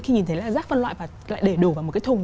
khi nhìn thấy là rác phân loại và lại để đổ vào một cái thùng